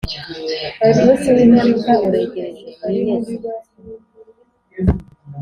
Umunsi w’ imperuka uregereje mwiyeze